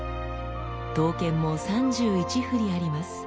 刀剣も３１振りあります。